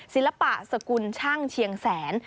ศิลปะสกุลช่างเชียงแสน